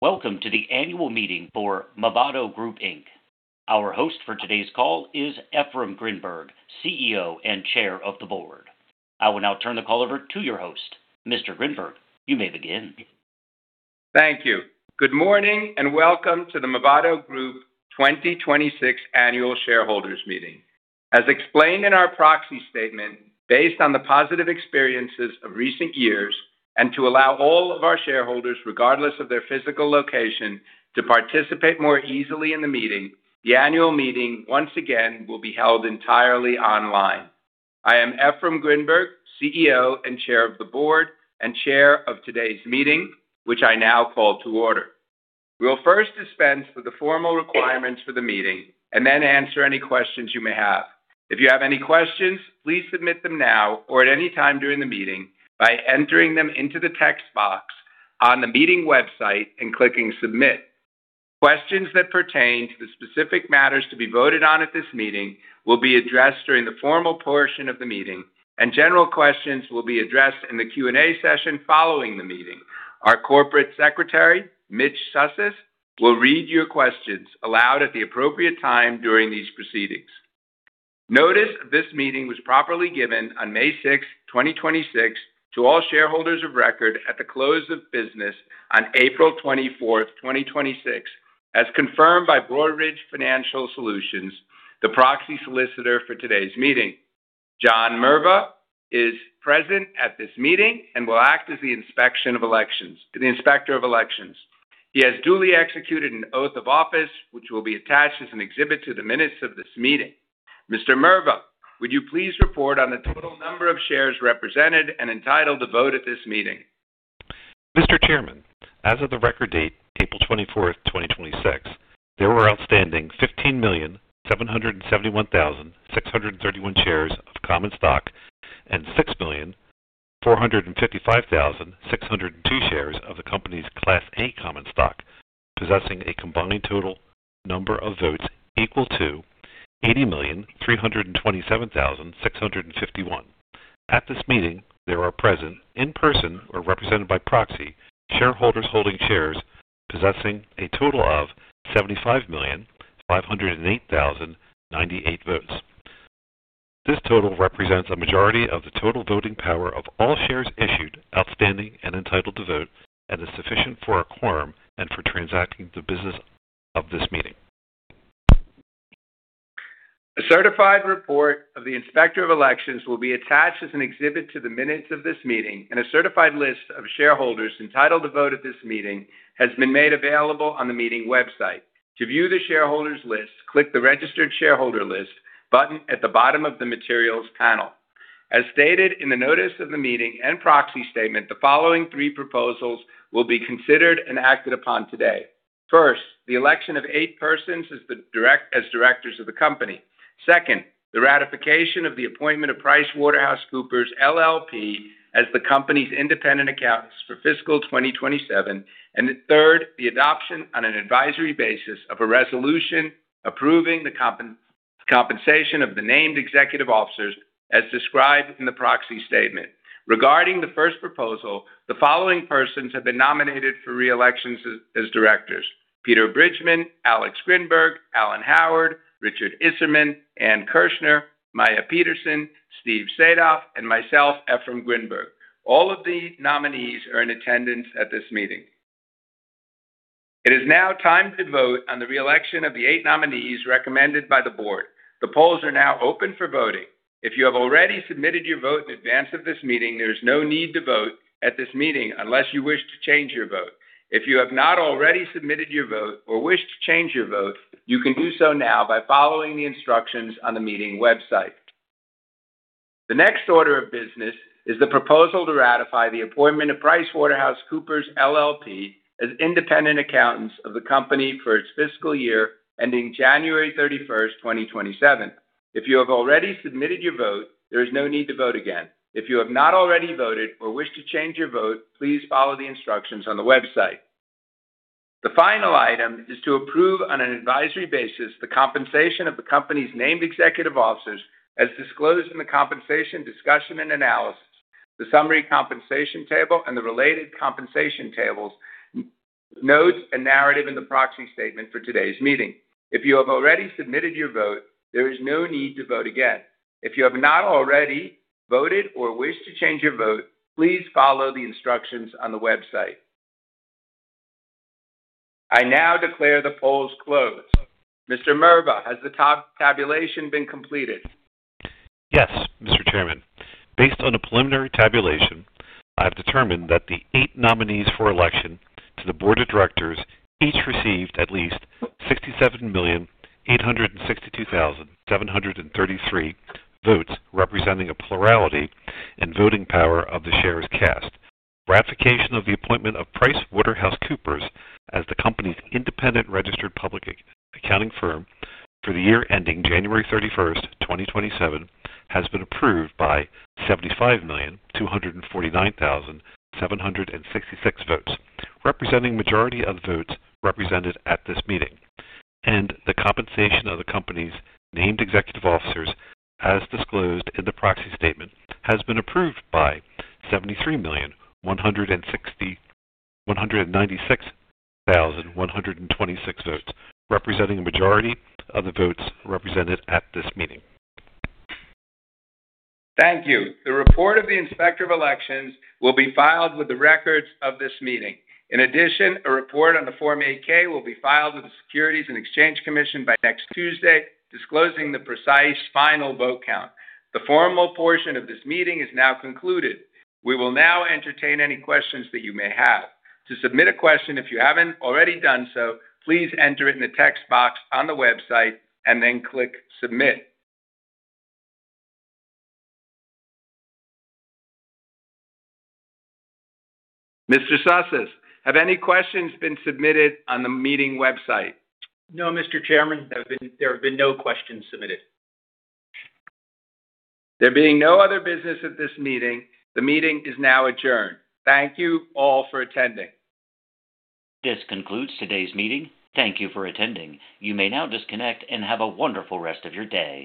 Welcome to the annual meeting for Movado Group, Inc. Our host for today's call is Efraim Grinberg, CEO and Chair of the Board. I will now turn the call over to your host. Mr. Grinberg, you may begin. Thank you. Good morning, and welcome to the Movado Group 2026 Annual Shareholders' Meeting. As explained in our proxy statement, based on the positive experiences of recent years, and to allow all of our shareholders, regardless of their physical location, to participate more easily in the meeting, the annual meeting, once again, will be held entirely online. I am Efraim Grinberg, CEO and Chair of the Board, and chair of today's meeting, which I now call to order. We will first dispense with the formal requirements for the meeting and then answer any questions you may have. If you have any questions, please submit them now or at any time during the meeting by entering them into the text box on the meeting website and clicking submit. Questions that pertain to the specific matters to be voted on at this meeting will be addressed during the formal portion of the meeting, and general questions will be addressed in the Q&A session following the meeting. Our corporate secretary, Mitch Sussis, will read your questions aloud at the appropriate time during these proceedings. Notice of this meeting was properly given on May 6, 2026, to all shareholders of record at the close of business on April 24, 2026, as confirmed by Broadridge Financial Solutions, the proxy solicitor for today's meeting. John Merva is present at this meeting and will act as the inspector of elections. He has duly executed an oath of office, which will be attached as an exhibit to the minutes of this meeting. Mr. Merva, would you please report on the total number of shares represented and entitled to vote at this meeting? Mr. Chairman, as of the record date, April 24th, 2026, there were outstanding 15,771,631 shares of common stock and 6,455,602 shares of the company's Class A common stock, possessing a combining total number of votes equal to 80,327,651. At this meeting, there are present in-person or represented by proxy, shareholders holding shares possessing a total of 75,508,098 votes. This total represents a majority of the total voting power of all shares issued, outstanding, and entitled to vote, and is sufficient for a quorum and for transacting the business of this meeting. A certified report of the Inspector of Elections will be attached as an exhibit to the minutes of this meeting, and a certified list of shareholders entitled to vote at this meeting has been made available on the meeting website. To view the shareholders list, click the Registered Shareholder List button at the bottom of the materials panel. As stated in the notice of the meeting and proxy statement, the following three proposals will be considered and acted upon today. First, the election of eight persons as directors of the company. Second, the ratification of the appointment of PricewaterhouseCoopers LLP as the company's independent accountants for fiscal 2027. Third, the adoption on an advisory basis of a resolution approving the compensation of the named executive officers as described in the proxy statement. Regarding the first proposal, the following persons have been nominated for reelections as directors, Peter Bridgman, Alex Grinberg, Alan Howard, Richard Isserman, Ann Kirschner, Maya Peterson, Steve Sadoff, and myself, Efraim Grinberg. All of the nominees are in attendance at this meeting. It is now time to vote on the reelection of the eight nominees recommended by the board. The polls are now open for voting. If you have already submitted your vote in advance of this meeting, there's no need to vote at this meeting unless you wish to change your vote. If you have not already submitted your vote or wish to change your vote, you can do so now by following the instructions on the meeting website. The next order of business is the proposal to ratify the appointment of PricewaterhouseCoopers LLP as independent accountants of the company for its fiscal year ending January 31st, 2027. If you have already submitted your vote, there is no need to vote again. If you have not already voted or wish to change your vote, please follow the instructions on the website. The final item is to approve on an advisory basis the compensation of the company's named executive officers as disclosed in the compensation discussion and analysis, the summary compensation table, and the related compensation tables, notes, and narrative in the proxy statement for today's meeting. If you have already submitted your vote, there is no need to vote again. If you have not already voted or wish to change your vote, please follow the instructions on the website. I now declare the polls closed. Mr. Merva, has the tabulation been completed? Yes, Mr. Chairman. Based on a preliminary tabulation, I have determined that the eight nominees for election to the board of directors each received at least 67,862,733 votes, representing a plurality in voting power of the shares cast. Ratification of the appointment of PricewaterhouseCoopers as the company's independent registered public accounting firm for the year ending January 31st, 2027, has been approved by 75,249,766 votes, representing majority of votes represented at this meeting. The compensation of the company's named executive officers, as disclosed in the proxy statement, has been approved by 73,196,126 votes, representing a majority of the votes represented at this meeting. Thank you. The report of the Inspector of Elections will be filed with the records of this meeting. A report on the Form 8-K will be filed with the Securities and Exchange Commission by next Tuesday, disclosing the precise final vote count. The formal portion of this meeting is now concluded. We will now entertain any questions that you may have. To submit a question, if you haven't already done so, please enter it in the text box on the website and then click submit. Mr. Sussis, have any questions been submitted on the meeting website? No, Mr. Chairman, there have been no questions submitted. There being no other business at this meeting, the meeting is now adjourned. Thank you all for attending. This concludes today's meeting. Thank you for attending. You may now disconnect and have a wonderful rest of your day.